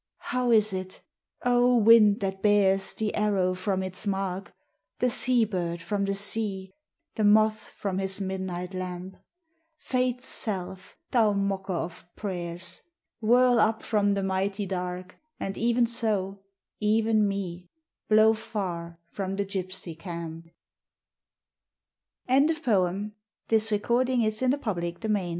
How is it? O wind that bears The arrow from its mark, The sea bird from the sea, The moth from his midnight lamp, Fate's self, thou mocker of prayers! Whirl up from the mighty dark, And even so, even me Blow far from the gypsy camp! FOR A CHILD. Schumann's 'Erinnerung: Novbr. 4, 1847.' IN memory of